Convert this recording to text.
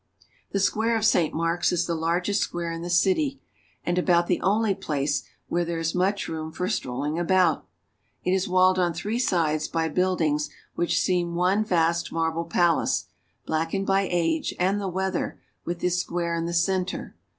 The square of St. Mark's is the largest square in the 398 ITALY. city, and about the only place where there is much room for strolling about. It is walled on three sides by build ings which seem one vast marble palace, blackened by age and the weather, with this square in the center.